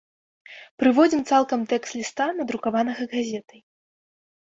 Прыводзім цалкам тэкст ліста, надрукаванага газетай.